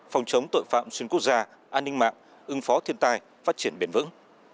phòng chống tội phạm xuyên quốc gia an ninh mạng ứng phó thiên tài phát triển bền vững